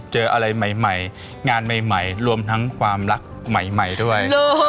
เจออะไรใหม่งานใหม่รวมทั้งความรักใหม่ด้วย